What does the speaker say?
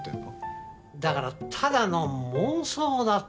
だからただの妄想だって。